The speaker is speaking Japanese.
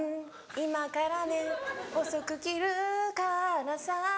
今からね細く切るからさ